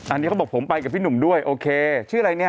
อันนี้เขาบอกผมไปกับพี่หนุ่มด้วยโอเคชื่ออะไรเนี่ย